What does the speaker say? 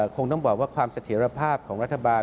คงต้องบอกว่าความเสถียรภาพของรัฐบาล